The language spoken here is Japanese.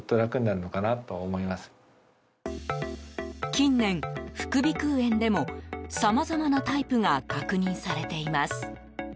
近年、副鼻腔炎でもさまざまなタイプが確認されています。